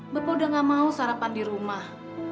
bapak udah gak mau sarapan di rumah